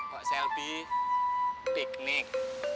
pak selby piknik